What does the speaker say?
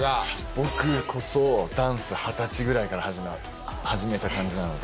僕こそダンス二十歳くらいから始めた感じなので。